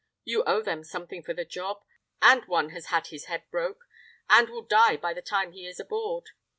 You owe them something for the job, and one has had his head broke, and will die by the time he is aboard.